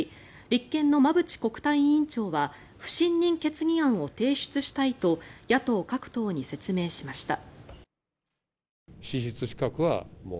立憲の馬淵国対委員長は不信任決議案を提出したいと野党各党に説明しました。